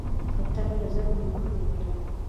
کوتره له زرو مرغانو غوره ده.